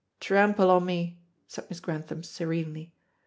"Trample on me," said Miss Grantham serenely.